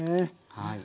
はい。